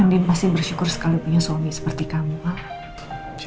andien pasti bersyukur sekali punya suami seperti kamu al